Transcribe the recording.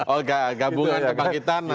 oh gabungan kepanggitan mas